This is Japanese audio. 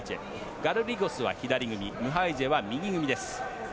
ガルリゴスは左組みムハイジェは右組みです。